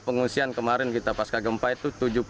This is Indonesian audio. pengungsian kemarin kita pasca gempa itu